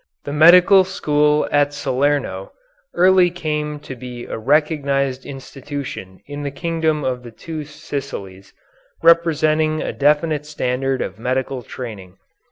The medical school at Salerno early came to be a recognized institution in the kingdom of the Two Sicilies, representing a definite standard of medical training.